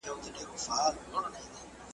زموږ په ناړو د کلو رنځور جوړیږي .